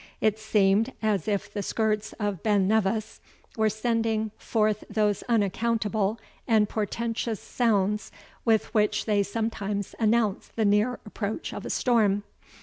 It seemed as if the skirts of Ben Nevis were sending forth those unaccountable and portentous sounds with which they sometimes announce the near approach of a storm.